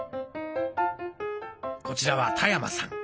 こちらは田山さん。